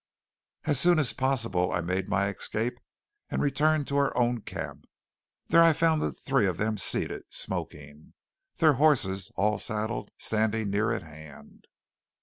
As soon as possible I made my escape and returned to our own camp. There I found the three of them seated smoking, their horses all saddled, standing near at hand.